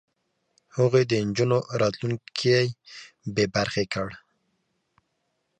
هغوی د نجونو راتلونکی بې برخې کړ.